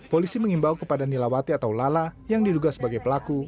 polisi mengimbau kepada nilawati atau lala yang diduga sebagai pelaku